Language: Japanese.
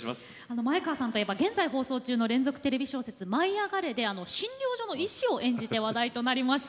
前川さんといえば現在放送中の連続テレビ小説「舞いあがれ！」で診療所の医師を演じて話題となりました。